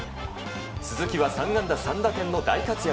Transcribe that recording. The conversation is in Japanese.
鈴木は３安打３打点の大活躍。